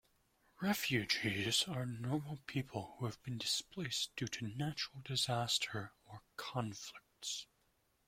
Refugees are normal people who have been displaced due to natural disaster or conflicts